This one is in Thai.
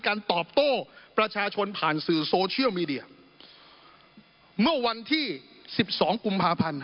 ตอบโต้ประชาชนผ่านสื่อโซเชียลมีเดียเมื่อวันที่สิบสองกุมภาพันธ์